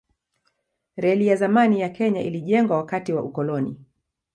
Reli ya zamani ya Kenya ilijengwa wakati wa ukoloni.